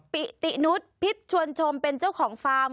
พี่ทีส์การแสดงความรักใช่ไหม